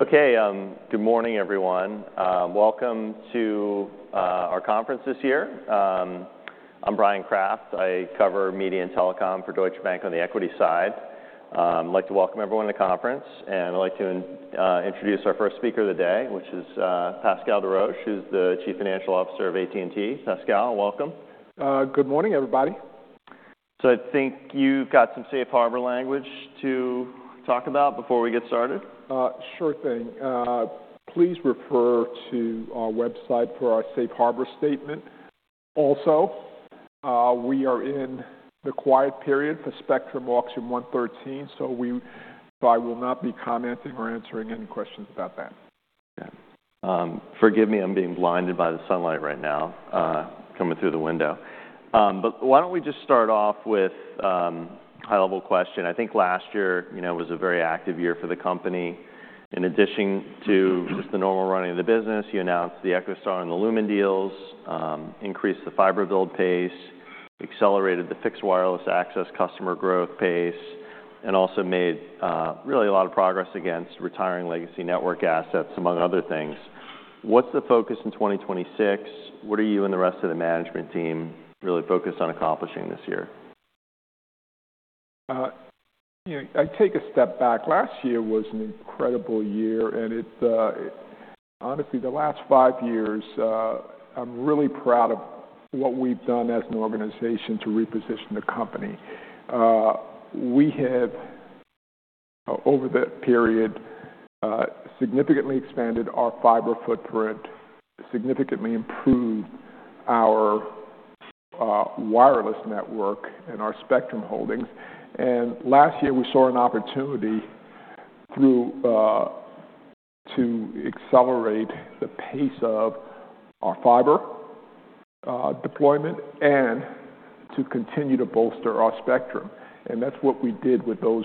Okay. Good morning, everyone. Welcome to our conference this year. I'm Bryan Kraft. I cover media and telecom for Deutsche Bank on the equity side. I'd like to welcome everyone to conference, and I'd like to introduce our first speaker of the day, which is Pascal Desroches, who's the Chief Financial Officer of AT&T. Pascal, welcome. Good morning, everybody. I think you've got some safe harbor language to talk about before we get started. Sure thing. Please refer to our website for our safe harbor statement. We are in the quiet period for Spectrum Auction 113. I will not be commenting or answering any questions about that. Yeah. Forgive me, I'm being blinded by the sunlight right now, coming through the window. Why don't we just start off with a high-level question. I think last year, you know, was a very active year for the company. In addition to just the normal running of the business, you announced the EchoStar and the Lumen deals, increased the fiber build pace, accelerated the fixed wireless access customer growth pace, and also made really a lot of progress against retiring legacy network assets, among other things. What's the focus in 2026? What are you and the rest of the management team really focused on accomplishing this year? You know, I take a step back. Last year was an incredible year, and it, honestly, the last five years, I'm really proud of what we've done as an organization to reposition the company. We have, over that period, significantly expanded our fiber footprint, significantly improved our wireless network and our spectrum holdings. Last year, we saw an opportunity through to accelerate the pace of our fiber deployment and to continue to bolster our spectrum. That's what we did with those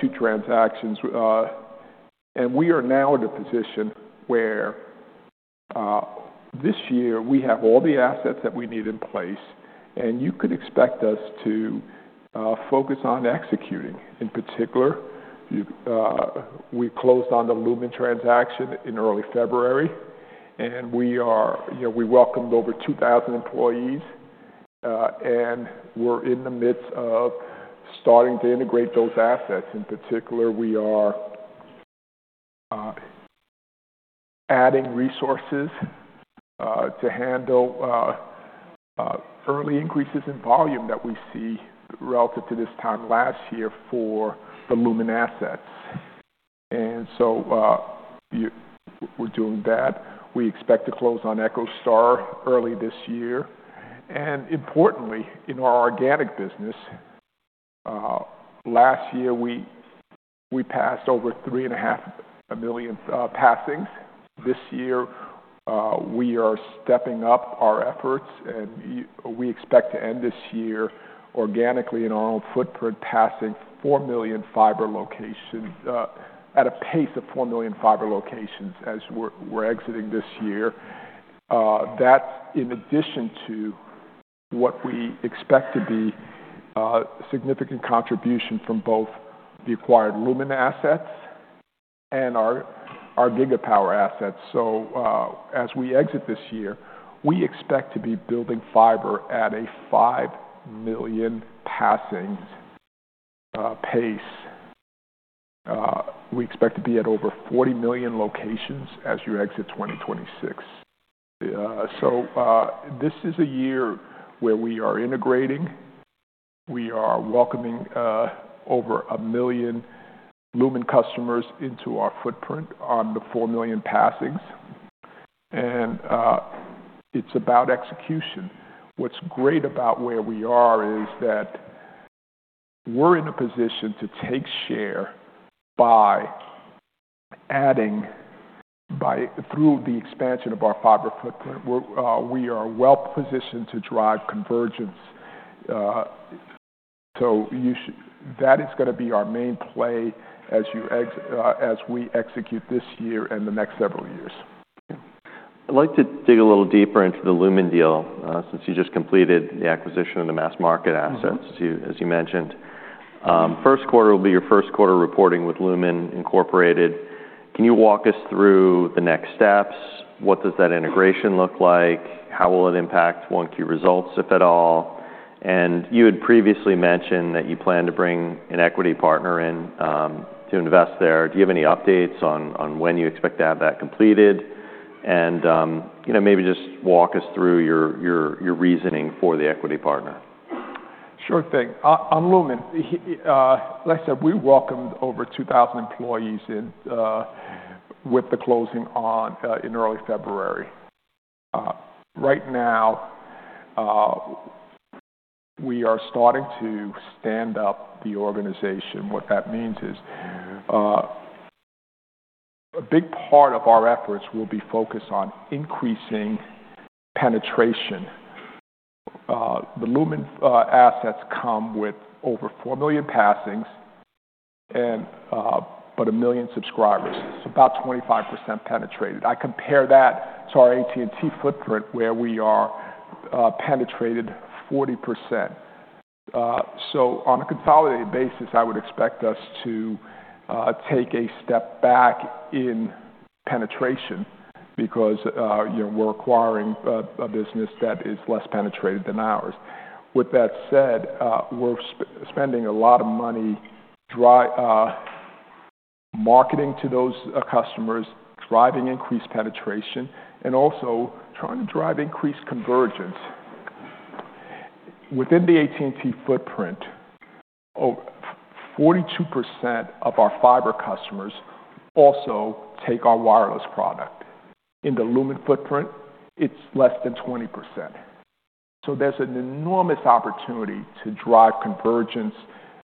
two transactions. We are now in a position where, this year we have all the assets that we need in place, and you could expect us to focus on executing. In particular, we closed on the Lumen transaction in early February, and we are, you know, we welcomed over 2,000 employees, and we're in the midst of starting to integrate those assets. In particular, we are adding resources to handle early increases in volume that we see relative to this time last year for the Lumen assets. We're doing that. We expect to close on EchoStar early this year. Importantly, in our organic business, last year we passed over 3.5 million passings. This year, we are stepping up our efforts, and we expect to end this year organically in our own footprint, passing 4 million fiber locations at a pace of 4 million fiber locations as we're exiting this year. That's in addition to what we expect to be a significant contribution from both the acquired Lumen assets and our GigaPower assets. As we exit this year, we expect to be building fiber at a 5 million passings pace. We expect to be at over 40 million locations as you exit 2026. This is a year where we are integrating. We are welcoming over 1 million Lumen customers into our footprint on the 4 million passings, and it's about execution What's great about where we are is that we're in a position to take share by adding through the expansion of our fiber footprint. We're, we are well positioned to drive convergence. You that is gonna be our main play as you as we execute this year and the next several years. I'd like to dig a little deeper into the Lumen deal, since you just completed the acquisition of the Mass Markets assets. Mm-hmm -to, as you mentioned. Q1 will be your Q1 reporting with Lumen Incorporated. Can you walk us through the next steps? What does that integration look like? How will it impact Q1 results, if at all? You had previously mentioned that you plan to bring an equity partner in to invest there. Do you have any updates on when you expect to have that completed? You know, maybe just walk us through your reasoning for the equity partner. Sure thing. On Lumen, he, like I said, we welcomed over 2,000 employees in with the closing in early February. Right now, we are starting to stand up the organization. What that means is a big part of our efforts will be focused on increasing penetration. The Lumen assets come with over 4 million passings and but 1 million subscribers. It's about 25% penetrated. I compare that to our AT&T footprint, where we are penetrated 40%. On a consolidated basis, I would expect us to take a step back in penetration because, you know, we're acquiring a business that is less penetrated than ours. With that said, we're spending a lot of money marketing to those customers, driving increased penetration and also trying to drive increased convergence. Within the AT&T footprint, 42% of our fiber customers also take our wireless product. In the Lumen footprint, it's less than 20%. There's an enormous opportunity to drive convergence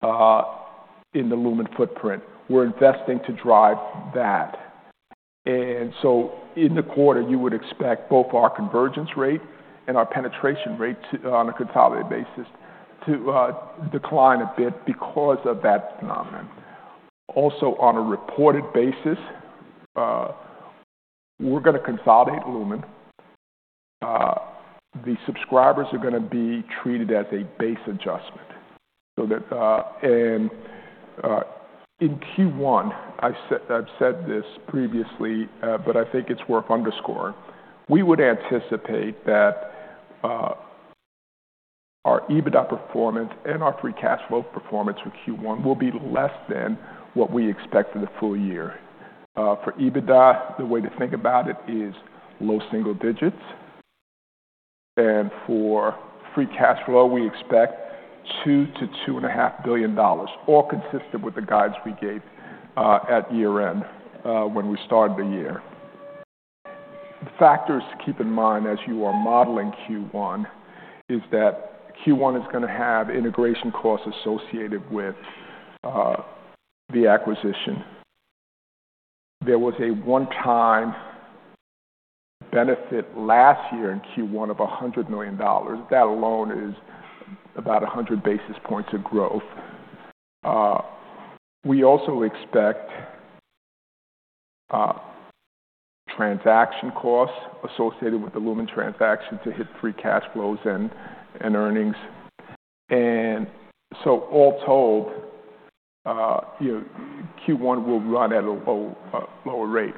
in the Lumen footprint. We're investing to drive that. In the quarter, you would expect both our convergence rate and our penetration rate to, on a consolidated basis, to decline a bit because of that phenomenon. Also, on a reported basis, we're gonna consolidate Lumen. The subscribers are gonna be treated as a base adjustment so that in Q1, I've said this previously, but I think it's worth underscore, we would anticipate that our EBITDA performance and our free cash flow performance for Q1 will be less than what we expect for the full year. For EBITDA, the way to think about it is low single digits. For free cash flow, we expect $2 billion-$2.5 billion, all consistent with the guides we gave at year-end when we started the year. The factors to keep in mind as you are modeling Q1 is that Q1 is gonna have integration costs associated with the acquisition. There was a one-time benefit last year in Q1 of $100 million. That alone is about 100 basis points of growth. We also expect transaction costs associated with the Lumen transaction to hit free cash flows and earnings. All told, you know, Q1 will run at a low, lower rate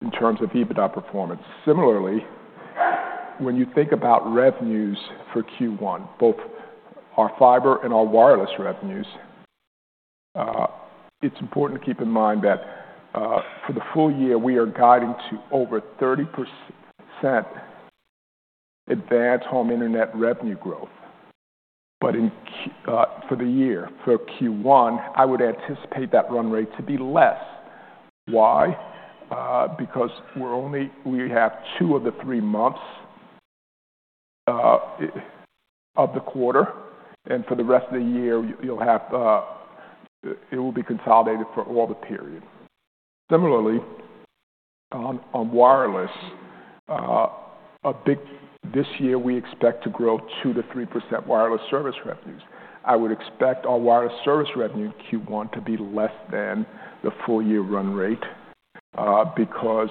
in terms of EBITDA performance. Similarly, when you think about revenues for Q1, both our fiber and our wireless revenues, it's important to keep in mind that, for the full year, we are guiding to over 30% advanced home internet revenue growth, for the year. For Q1, I would anticipate that run rate to be less. Why? Because we have two months of the three months of the quarter, and for the rest of the year you'll have it will be consolidated for all the period. Similarly, on wireless, this year we expect to grow 2%-3% wireless service revenues. I would expect our wireless service revenue in Q1 to be less than the full year run rate, because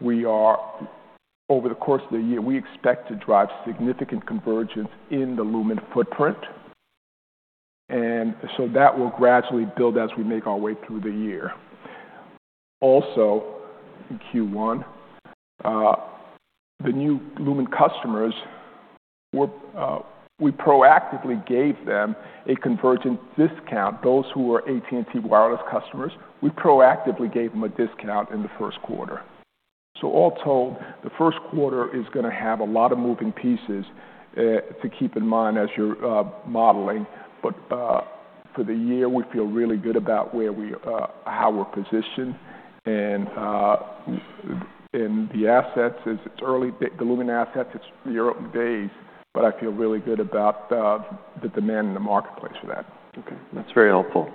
we are, over the course of the year, we expect to drive significant convergence in the Lumen footprint, and so that will gradually build as we make our way through the year. In Q1, the new Lumen customers were, we proactively gave them a convergence discount. Those who are AT&T wireless customers, we proactively gave them a discount in the Q1. All told, the Q1 is gonna have a lot of moving pieces, to keep in mind as you're, modeling. For the year, we feel really good about where we how we're positioned and the Lumen assets, it's the early days, but I feel really good about the demand in the marketplace for that. Okay. That's very helpful.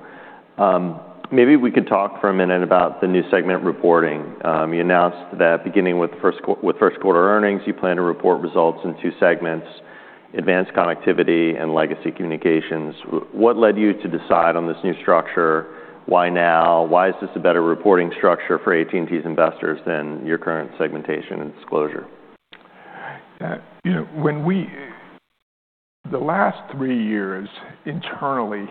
Maybe we could talk for a minute about the new segment reporting. You announced that beginning with Q1 earnings, you plan to report results in two segments, advanced connectivity and legacy communications. What led you to decide on this new structure? Why now? Why is this a better reporting strucure for AT&T's investors than your current segmentation and disclosure? Yeah. You know, when the last three years internally,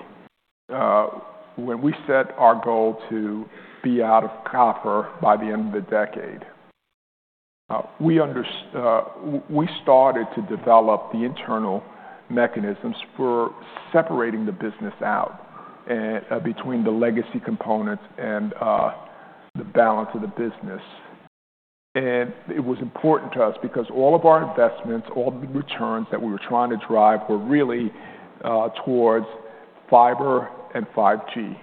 when we set our goal to be out of copper by the end of the decade, we started to develop the internal mechanisms for separating the business out between the legacy components and the balance of the business. It was important to us because all of our investments, all the returns that we were trying to drive were really towards fiber and 5G.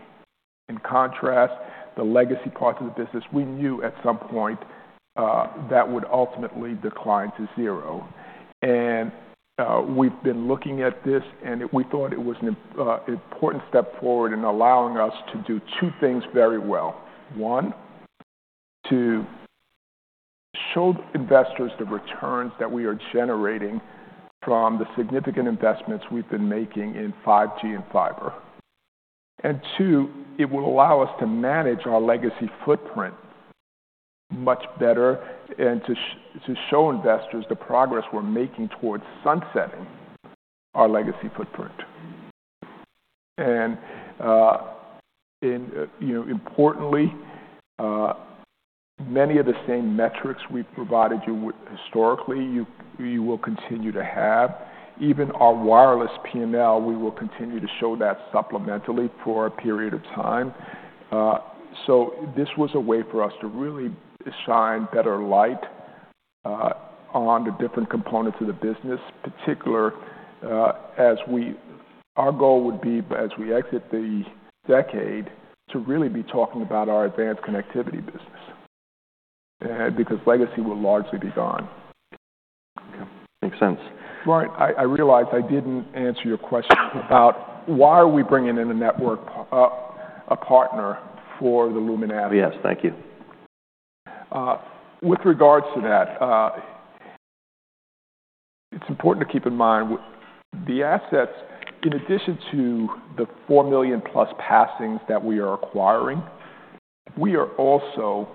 In contrast, the legacy parts of the business, we knew at some point that would ultimately decline to zero. We've been looking at this, and we thought it was an important step forward in allowing us to do two things very well. One, to show investors the returns that we are generating from the significant investments we've been making in 5G and fiber. Two, it will allow us to manage our legacy footprint much better and to show investors the progress we're making towards sunsetting our legacy footprint. Importantly, you know, many of the same metrics we provided you with historically, you will continue to have. Even our wireless P&L, we will continue to show that supplementally for a period of time. This was a way for us to really shine better light on the different components of the business, particular, as we. Our goal would be, as we exit the decade, to really be talking about our advanced connectivity business, because legacy will largely be gone. Okay. Makes sense. Right. I realize I didn't answer your question about why are we bringing in a network, a partner for the Lumen asset? Yes. Thank you. With regards to that, it's important to keep in mind the assets, in addition to the 4 million plus passings that we are acquiring, we are also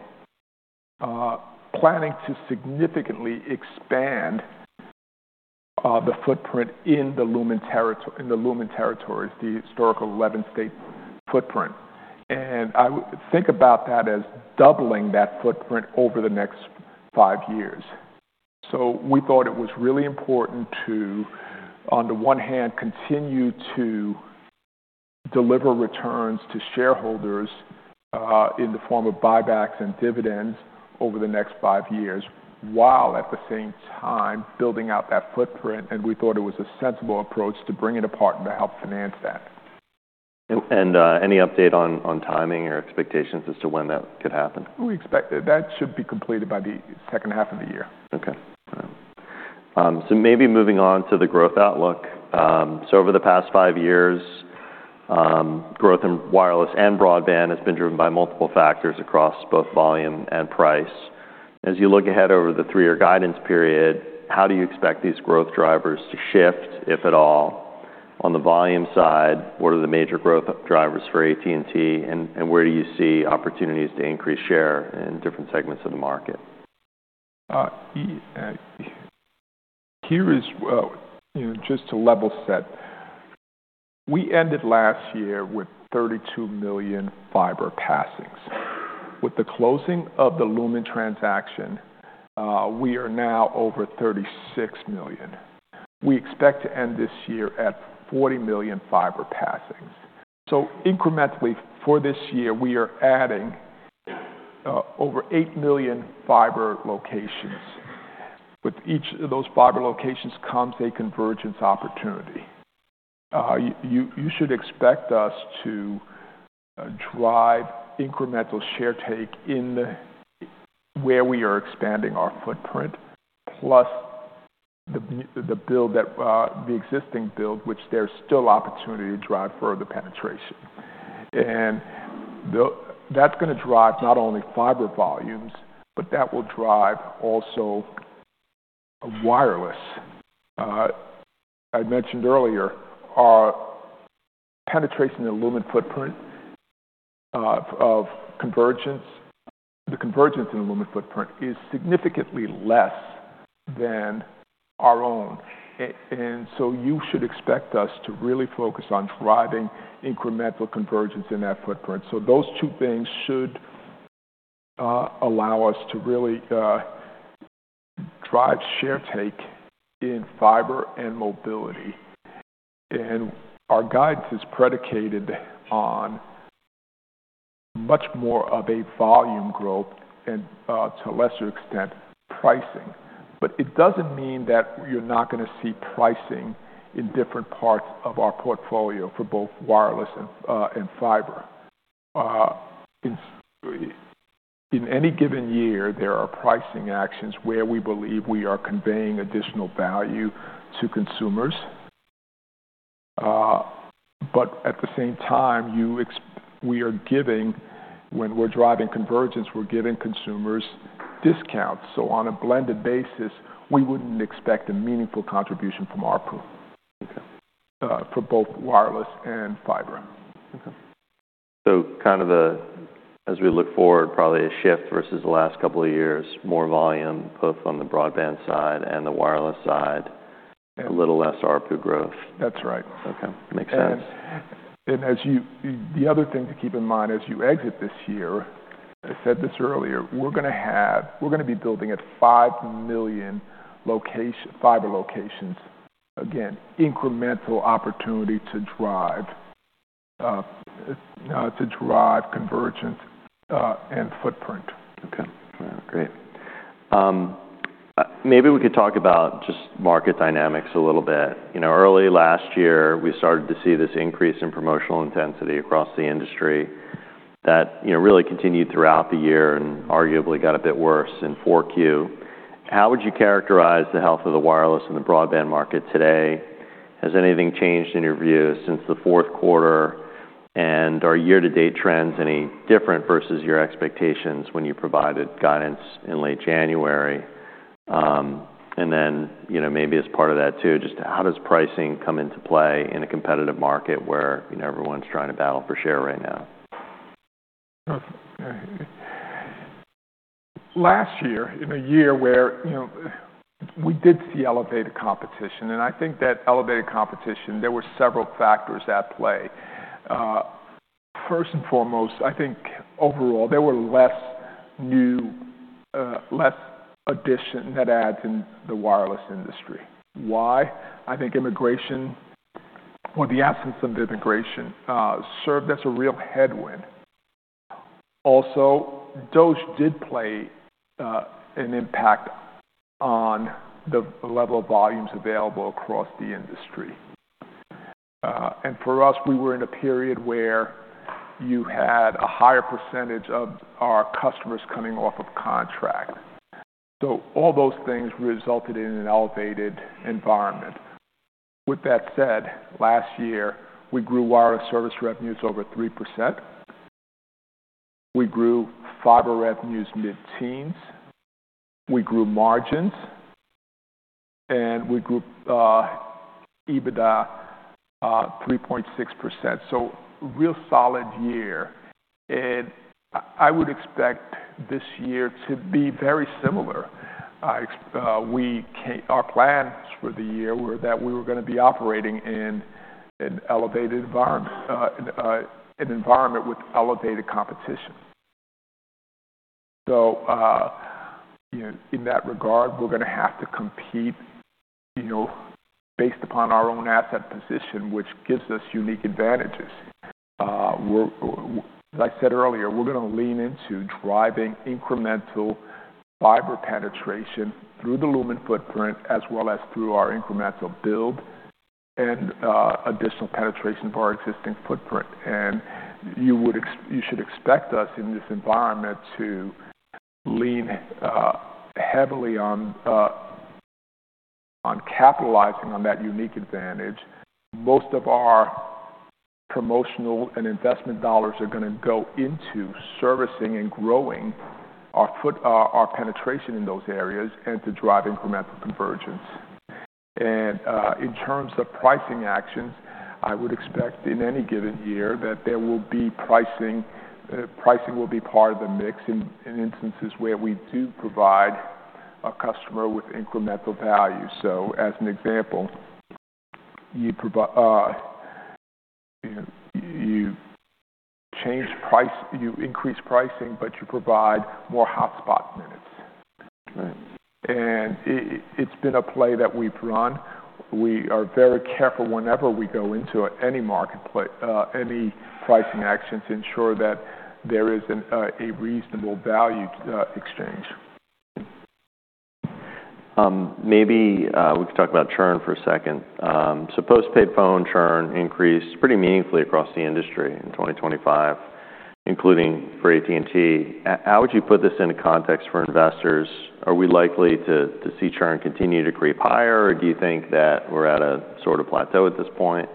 planning to significantly expand the footprint in the Lumen territories, the historical 11-state footprint. I would think about that as doubling that footprint over the next five years. We thought it was really important to, on the one hand, continue to deliver returns to shareholders, in the form of buybacks and dividends over the next five years, while at the same time building out that footprint, and we thought it was a sensible approach to bring in a partner to help finance that. Any update on timing or expectations as to when that could happen? We expect that that should be completed by the H2 of the year. Okay. All right. Maybe moving on to the growth outlook. Over the past five years, growth in wireless and broadband has been driven by multiple factors across both volume and price. As you look ahead over the three-year guidance period, how do you expect these growth drivers to shift, if at all? On the volume side, what are the major growth drivers for AT&T, and where do you see opportunities to increase share in different segments of the market? Here is, you know, just to level set. We ended last year with 32 million fiber passings. With the closing of the Lumen transaction, we are now over 36 million. We expect to end this year at 40 million fiber passings. Incrementally for this year, we are adding over 8 million fiber locations. With each of those fiber locations comes a convergence opportunity. You should expect us to drive incremental share take in the where we are expanding our footprint, plus the build that, the existing build, which there's still opportunity to drive further penetration. That's gonna drive not only fiber volumes, but that will drive also wireless. I mentioned earlier our penetration in Lumen footprint, of convergence. The convergence in the Lumen footprint is significantly less than our own. You should expect us to really focus on driving incremental convergence in that footprint. Those two things should allow us to really drive share take in fiber and mobility. Our guidance is predicated on much more of a volume growth and to a lesser extent, pricing. It doesn't mean that you're not gonna see pricing in different parts of our portfolio for both wireless and fiber. In any given year, there are pricing actions where we believe we are conveying additional value to consumers. At the same time, we are giving, when we're driving convergence, we're giving consumers discounts. On a blended basis, we wouldn't expect a meaningful contribution from ARPU- Okay... for both wireless and fiber. Okay. kind of the, as we look forward, probably a shift versus the last couple of years, more volume, both on the broadband side and the wireless side. Yeah. A little less ARPU growth. That's right. Okay. Makes sense. The other thing to keep in mind as you exit this year, I said this earlier, we're gonna be building at 5 million fiber locations. Again, incremental opportunity to drive convergence and footprint. Okay. All right. Great. Maybe we could talk about just market dynamics a little bit. You know, early last year, we started to see this increase in promotional intensity across the industry that, you know, really continued throughout the year and arguably got a bit worse in 4Q. How would you characterize the health of the wireless and the broadband market today? Has anything changed in your view since the Q4? Are year-to-date trends any different versus your expectations when you provided guidance in late January? You know, maybe as part of that too, just how does pricing come into play in a competitive market where, you know, everyone's trying to battle for share right now? Last year, in a year where, you know, we did see elevated competition. I think that elevated competition, there were several factors at play. First and foremost, I think overall, there were less new, less addition net adds in the wireless industry. Why? I think immigration or the absence of immigration served as a real headwind. Also, DOGE did play an impact on the level of volumes available across the industry. For us, we were in a period where you had a higher percentage of our customers coming off of contract. All those things resulted in an elevated environment. With that said, last year, we grew wireless service revenues over 3%. We grew fiber revenues mid-teens. We grew margins. We grew EBITDA 3.6%. Real solid year. I would expect this year to be very similar. Our plans for the year were that we were gonna be operating in an elevated environment, an environment with elevated competition. You know, in that regard, we're gonna have to compete, you know, based upon our own asset position, which gives us unique advantages. As I said earlier, we're gonna lean into driving incremental fiber penetration through the Lumen footprint as well as through our incremental build and additional penetration of our existing footprint. You should expect us in this environment to lean heavily on capitalizing on that unique advantage. Most of our promotional and investment dollars are gonna go into servicing and growing our penetration in those areas and to drive incremental convergence. In terms of pricing actions, I would expect in any given year that there will be pricing will be part of the mix in instances where we do provide a customer with incremental value. As an example, you change price, you increase pricing, but you provide more hotspot minutes. Right. It's been a play that we've run. We are very careful whenever we go into any pricing action to ensure that there is an a reasonable value exchange. Maybe we could talk about churn for a second. Post-paid phone churn increased pretty meaningfully across the industry in 2025, including for AT&T. How would you put this into context for investors? Are we likely to see churn continue to creep higher, or do you think that we're at a sort of plateau at this point?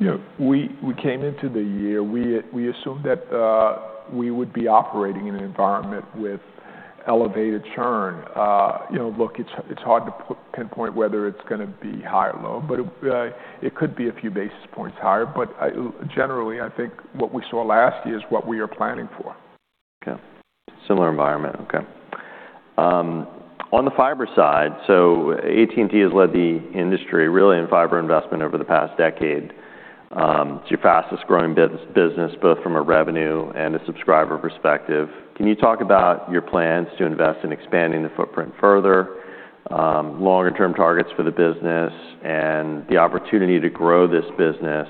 You know, we came into the year, we assumed that we would be operating in an environment with elevated churn. You know, look, it's hard to pinpoint whether it's gonna be high or low, but it could be a few basis points higher. Generally, I think what we saw last year is what we are planning for. Similar environment. On the fiber side, AT&T has led the industry really in fiber investment over the past decade. It's your fastest-growing business, both from a revenue and a subscriber perspective. Can you talk about your plans to invest in expanding the footprint further, longer-term targets for the business, and the opportunity to grow this business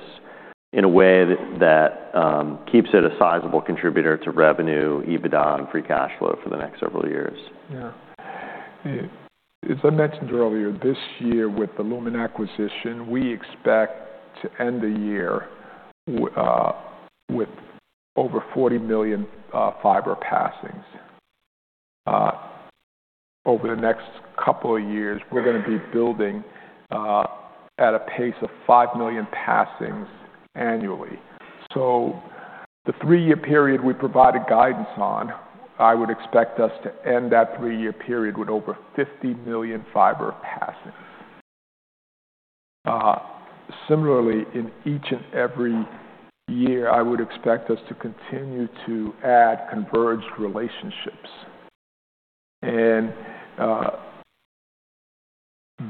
in a way that keeps it a sizable contributor to revenue, EBITDA, and free cash flow for the next several years? As I mentioned earlier, this year with the Lumen acquisition, we expect to end the year with over 40 million fiber passings. Over the next couple of years, we're gonna be building at a pace of 5 million passings annually. The three-year period we provided guidance on, I would expect us to end that three-year period with over 50 million fiber passings. Similarly, in each and every year, I would expect us to continue to add converged relationships.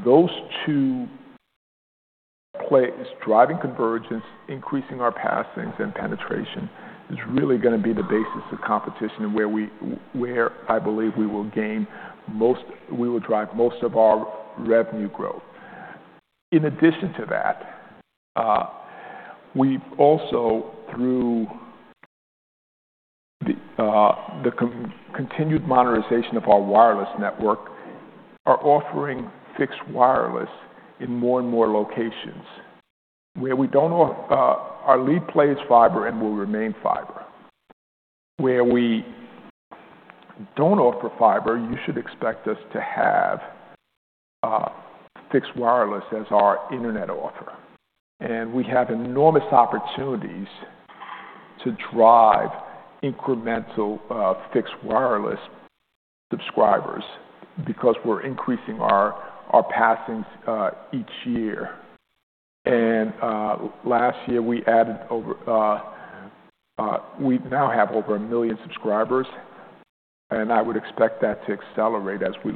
Those two driving convergence, increasing our passings and penetration is really gonna be the basis of competition and where I believe we will drive most of our revenue growth. In addition to that, we also through the continued modernization of our wireless network, are offering fixed wireless in more and more locations. Where we don't off... our lead play is fiber and will remain fiber. Where we don't offer fiber, you should expect us to have fixed wireless as our internet offer. We have enormous opportunities to drive incremental fixed wireless subscribers because we're increasing our passings each year. Last year we added over, we now have over 1 million subscribers, and I would expect that to accelerate as we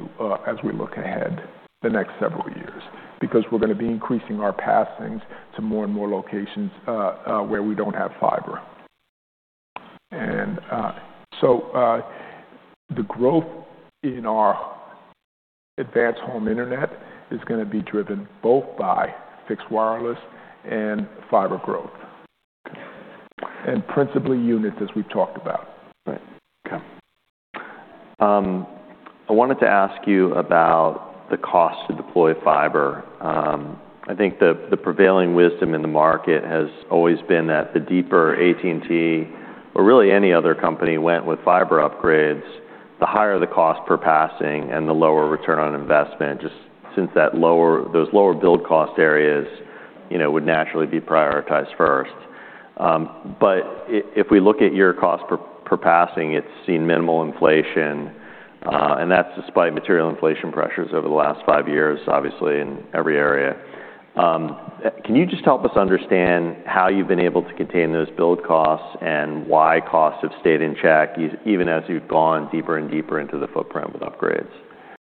look ahead the next several years, because we're gonna be increasing our passings to more and more locations where we don't have fiber. The growth in our advanced home internet is gonna be driven both by fixed wireless and fiber growth, and principally units, as we've talked about. Right. Okay. I wanted to ask you about the cost to deploy fiber. I think the prevailing wisdom in the market has always been that the deeper AT&T or really any other company went with fiber upgrades, the higher the cost per passing and the lower return on investment, just since those lower build cost areas, you know, would naturally be prioritized first. If we look at your cost per passing, it's seen minimal inflation, and that's despite material inflation pressures over the last five years, obviously, in every area. Can you just help us understand how you've been able to contain those build costs and why costs have stayed in check even as you've gone deeper and deeper into the footprint with upgrades?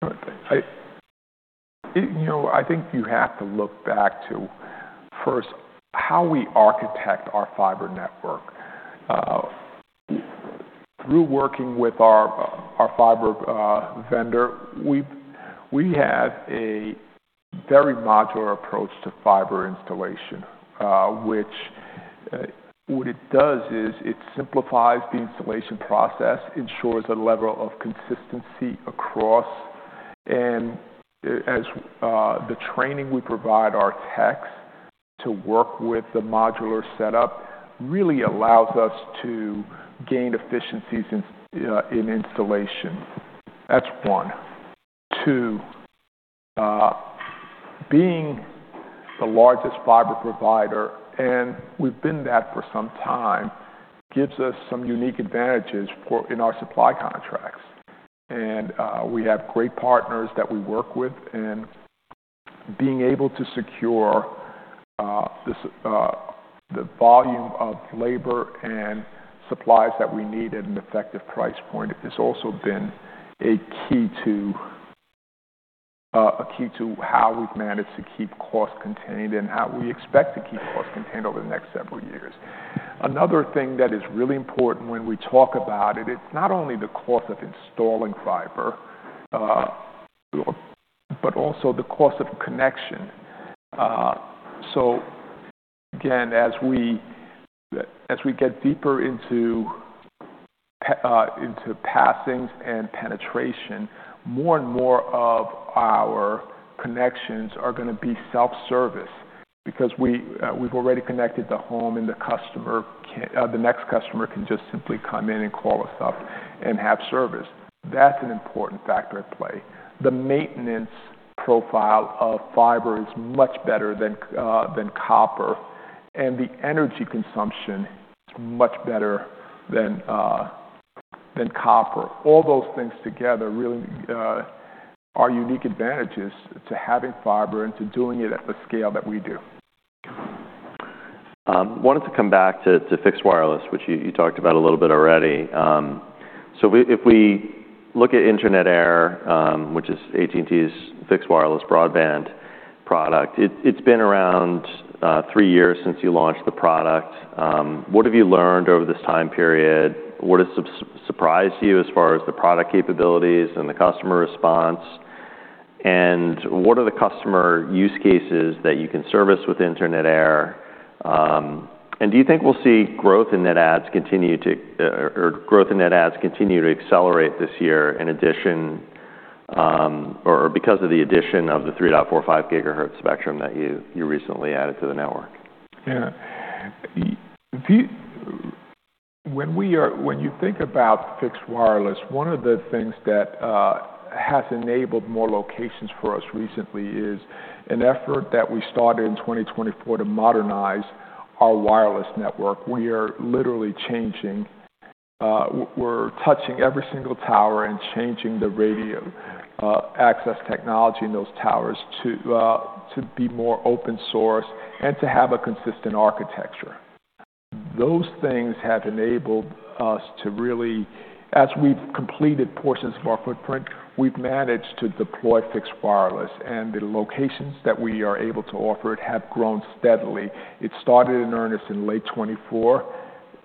All right. I, you know, I think you have to look back to, first, how we architect our fiber network. Through working with our fiber vendor, we have a very modular approach to fiber installation, which what it does is it simplifies the installation process, ensures a level of consistency across, and as the training we provide our techs to work with the modular setup really allows us to gain efficiencies in installation. That's one. Two, being the largest fiber provider, and we've been that for some time, gives us some unique advantages in our supply contracts. We have great partners that we work with, and being able to secure the volume of labor and supplies that we need at an effective price point has also been a key to how we've managed to keep costs contained and how we expect to keep costs contained over the next several years. Another thing that is really important when we talk about it's not only the cost of installing fiber, but also the cost of connection. Again, as we get deeper into passings and penetration, more and more of our connections are gonna be self-service because we've already connected the home and the next customer can just simply come in and call us up and have service. That's an important factor at play. The maintenance profile of fiber is much better than copper, and the energy consumption is much better than copper. All those things together really are unique advantages to having fiber and to doing it at the scale that we do. Wanted to come back to fixed wireless, which you talked about a little bit already. If we look at Internet Air, which is AT&T's fixed wireless broadband product, it's been around three years since you launched the product. What have you learned over this time period? What has surprised you as far as the product capabilities and the customer response? What are the customer use cases that you can service with Internet Air? Do you think we'll see growth in net adds continue to accelerate this year in addition, or because of the addition of the 3.45 GHz spectrum that you recently added to the network? When you think about fixed wireless, one of the things that has enabled more locations for us recently is an effort that we started in 2024 to modernize our wireless network. We are literally touching every single tower and changing the radio access technology in those towers to be more open source and to have a consistent architecture. Those things have enabled us to really, as we've completed portions of our footprint, we've managed to deploy fixed wireless, and the locations that we are able to offer it have grown steadily. It started in earnest in late 2024.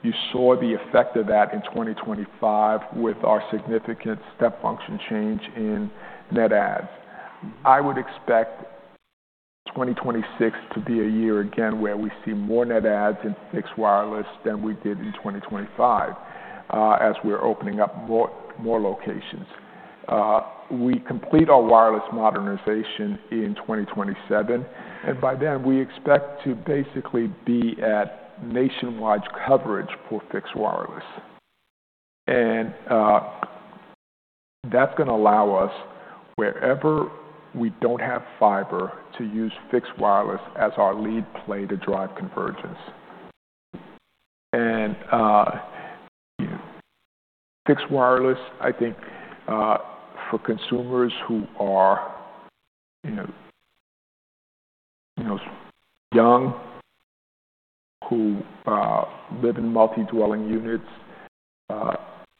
You saw the effect of that in 2025 with our significant step function change in net adds. I would expect 2026 to be a year again, where we see more net adds in fixed wireless than we did in 2025, as we're opening up more locations. We complete our wireless modernization in 2027, by then, we expect to basically be at nationwide coverage for fixed wireless. That's gonna allow us, wherever we don't have fiber, to use fixed wireless as our lead play to drive convergence. Fixed wireless, I think, for consumers who are, you know, young, who live in multi-dwelling units,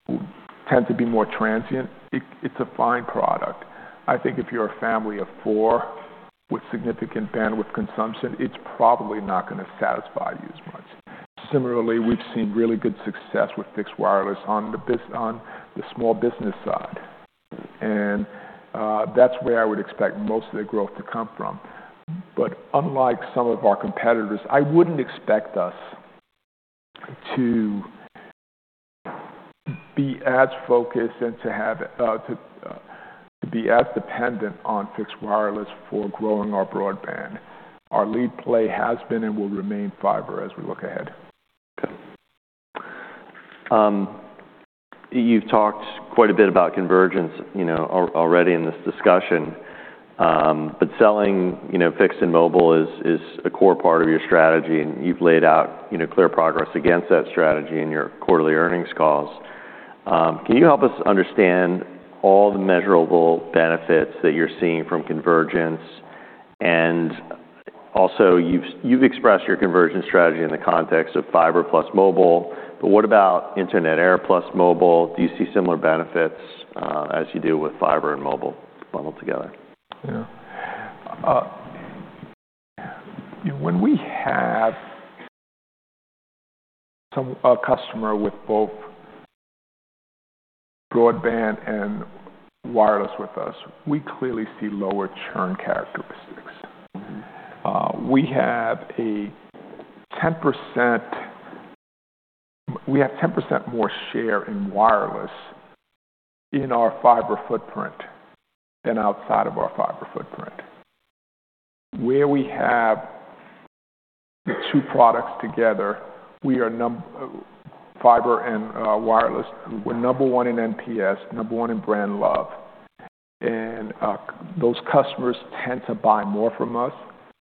who tend to be more transient, it's a fine product. I think if you're a family of four with significant bandwidth consumption, it's probably not gonna satisfy you as much. Similarly, we've seen really good success with fixed wireless on the small business side. That's where I would expect most of the growth to come from. Unlike some of our competitors, I wouldn't expect us to be as focused and to have, to be as dependent on fixed wireless for growing our broadband. Our lead play has been and will remain fiber as we look ahead. Okay. You've talked quite a bit about convergence, you know, already in this discussion. Selling, you know, fixed and mobile is a core part of your strategy, and you've laid out, you know, clear progress against that strategy in your quarterly earnings calls. Can you help us understand all the measurable benefits that you're seeing from convergence? Also, you've expressed your conversion strategy in the context of fiber plus mobile, but what about Internet Air plus mobile? Do you see similar benefits, as you do with fiber and mobile bundled together? Yeah. When we have a customer with both broadband and wireless with us, we clearly see lower churn characteristics. Mm-hmm. We have 10% more share in wireless in our fiber footprint than outside of our fiber footprint. Where we have the two products together, fiber and wireless, we're number one in NPS, number one in brand love. Those customers tend to buy more from us,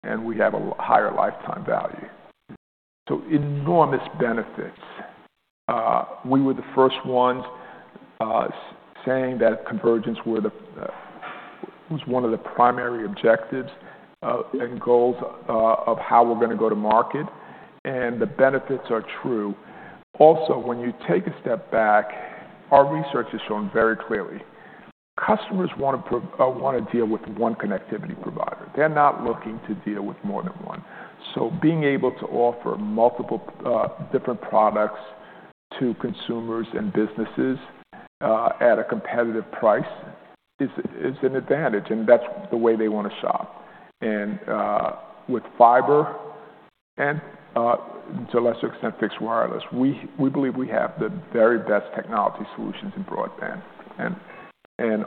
and we have a higher lifetime value. Enormous benefits. We were the first ones saying that convergence were the was one of the primary objectives and goals of how we're gonna go to market, and the benefits are true. Also, when you take a step back, our research has shown very clearly, customers wanna deal with one connectivity provider. They're not looking to deal with more than one. Being able to offer multiple, different products to consumers and businesses, at a competitive price is an advantage, and that's the way they wanna shop. With fiber and, to a lesser extent, fixed wireless, we believe we have the very best technology solutions in broadband.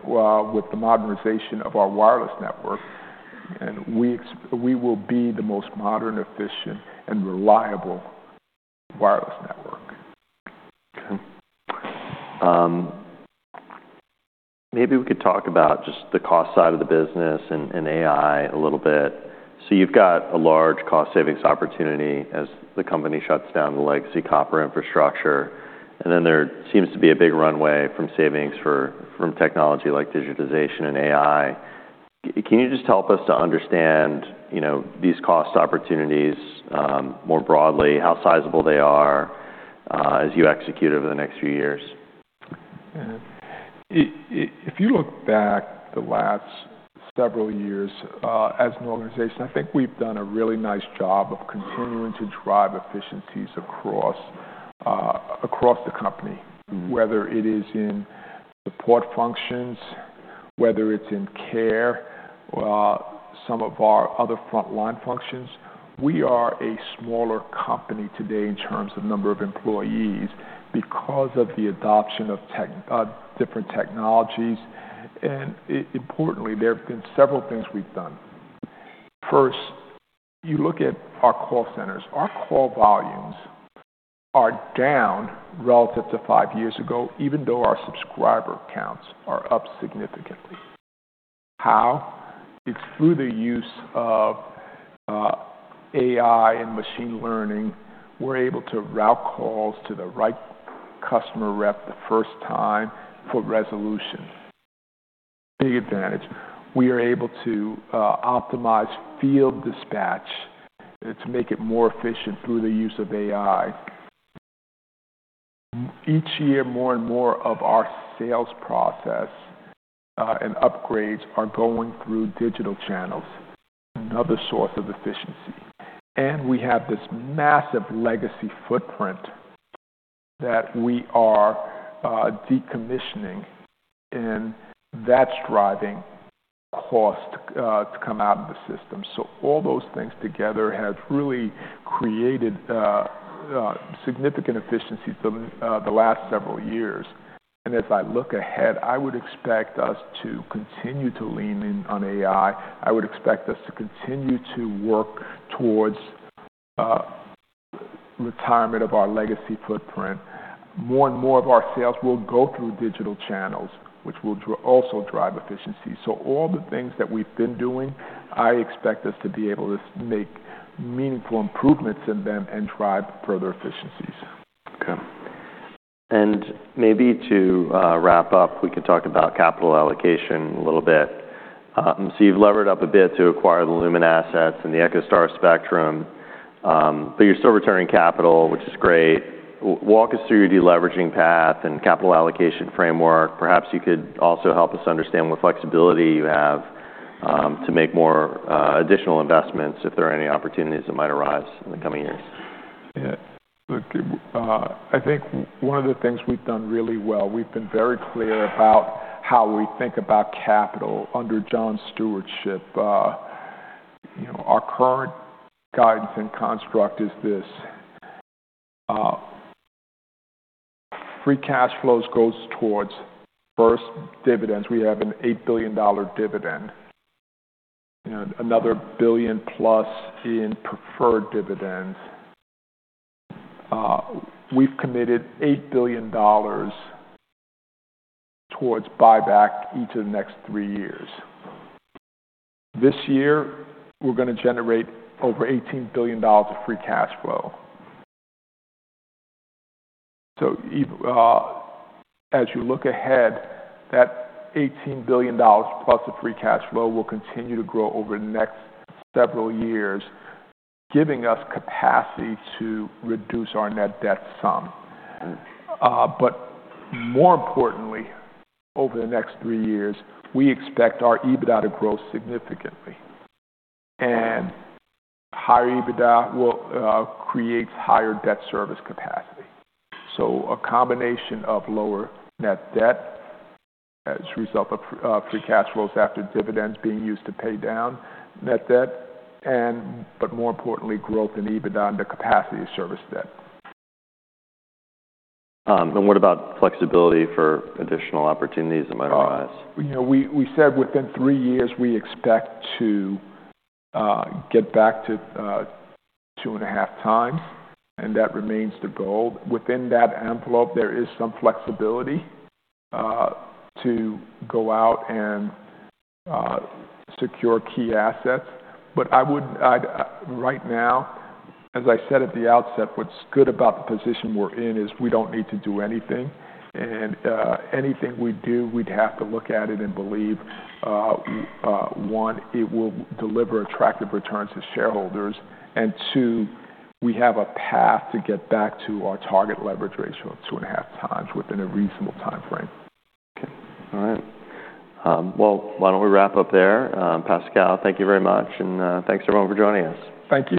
With the modernization of our wireless network, we will be the most modern, efficient, and reliable wireless network. Maybe we could talk about just the cost side of the business and AI a little bit. You've got a large cost savings opportunity as the company shuts down the legacy copper infrastructure, then there seems to be a big runway from savings from technology like digitization and AI. Can you just help us to understand, you know, these cost opportunities, more broadly, how sizable they are, as you execute over the next few years? Yeah. If you look back the last several years, as an organization, I think we've done a really nice job of continuing to drive efficiencies across the company. Mm-hmm. Whether it is in support functions, whether it's in care, some of our other frontline functions. We are a smaller company today in terms of number of employees because of the adoption of different technologies. Importantly, there have been several things we've done. First, you look at our call centers. Our call volumes are down relative to five years ago, even though our subscriber counts are up significantly. How? It's through the use of AI and machine learning, we're able to route calls to the right customer rep the first time for resolution. Big advantage. We are able to optimize field dispatch to make it more efficient through the use of AI. Each year, more and more of our sales process and upgrades are going through digital channels, another source of efficiency. We have this massive legacy footprint that we are decommissioning, and that's driving cost to come out of the system. All those things together have really created significant efficiencies the last several years. As I look ahead, I would expect us to continue to lean in on AI. I would expect us to continue to work towards retirement of our legacy footprint, more and more of our sales will go through digital channels, which will also drive efficiency. All the things that we've been doing, I expect us to be able to make meaningful improvements in them and drive further efficiencies. Okay. Maybe to wrap up, we could talk about capital allocation a little bit. You've levered up a bit to acquire the Lumen assets and the EchoStar Spectrum, but you're still returning capital, which is great. Walk us through your deleveraging path and capital allocation framework. Perhaps you could also help us understand what flexibility you have to make more additional investments if there are any opportunities that might arise in the coming years. Look, I think one of the things we've done really well, we've been very clear about how we think about capital under John's stewardship. You know, our current guidance and construct is this. Free cash flows goes towards, first, dividends. We have an $8 billion dividend and another $1+ billion in preferred dividends. We've committed $8 billion towards buyback each of the next three years. This year, we're gonna generate over $18 billion of free cash flow. As you look ahead, that $18 billion plus the free cash flow will continue to grow over the next several years, giving us capacity to reduce our net debt sum. More importantly, over the next three years, we expect our EBITDA to grow significantly. Higher EBITDA will create higher debt service capacity. A combination of lower net debt as a result of free cash flows after dividends being used to pay down net debt but more importantly, growth in EBITDA and the capacity to service debt. What about flexibility for additional opportunities that might arise? You know, we said within three years we expect to get back to 2.5x, and that remains the goal. Within that envelope, there is some flexibility to go out and secure key assets. I'd right now, as I said at the outset, what's good about the position we're in is we don't need to do anything. Anything we do, we'd have to look at it and believe one, it will deliver attractive returns to shareholders. two, we have a path to get back to our target leverage ratio of 2.5x Within a reasonable timeframe. Okay. All right. Well, why don't we wrap up there? Pascal, thank you very much. Thanks everyone for joining us. Thank you.